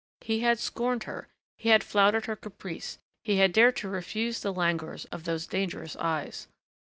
He had scorned her.... He had flouted her caprice.... He had dared to refuse the languors of those dangerous eyes....